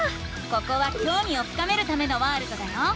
ここはきょうみを深めるためのワールドだよ。